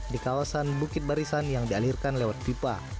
di kawasan bukit barisan yang dialirkan lewat pipa